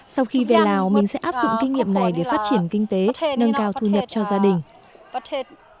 sau khi về lào mình sẽ áp dụng kinh nghiệm này để phát triển kinh tế nâng cao thu nhập cho gia đình